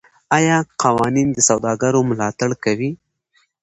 آیا قوانین د سوداګرو ملاتړ کوي؟